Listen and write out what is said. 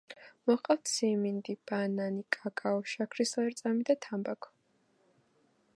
მოჰყავთ სიმინდი, ბანანი, კაკაო, შაქრის ლერწამი და თამბაქო.